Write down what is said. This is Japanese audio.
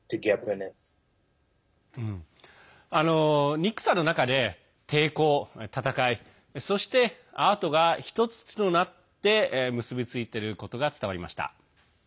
ニックさんの中で抵抗、闘いそして、アートが１つとなって結び付いていることが伝わりました。